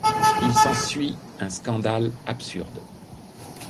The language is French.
Il s'ensuit un scandale absurde.